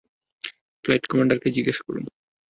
Flight কমান্ডারকে জিজ্ঞেস করুন।